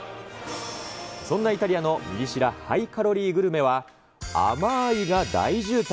そんなイタリアのミリ知らハイカロリーグルメは、甘ーいが大渋滞！